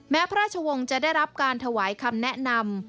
พระราชวงศ์จะได้รับการถวายคำแนะนำ